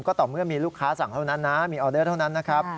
ก็ต่อเมื่อมีลูกค้าสั่งเท่านั้นนะมีออเดอร์เท่านั้นนะครับ